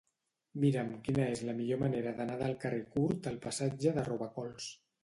Mira'm quina és la millor manera d'anar del carrer Curt al passatge de Robacols.